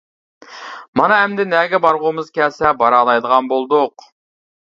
مانا ئەمدى نەگە بارغۇمىز كەلسە بارالايدىغان بولدۇق.